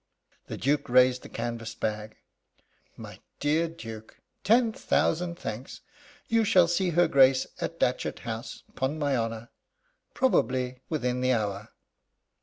The Duke raised the canvas bag. "My dear Duke, ten thousand thanks! You shall see her Grace at Datchet House, 'pon my honour. Probably within the hour."